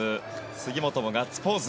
杉本もガッツポーズ。